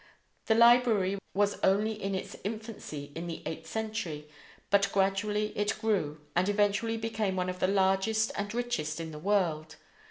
The library was only in its infancy in the eighth century, but gradually it grew, and eventually became one of the largest and richest in the world.